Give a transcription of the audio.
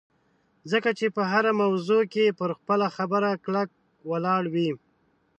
ځکه چې په هره موضوع کې پر خپله خبره کلک ولاړ وي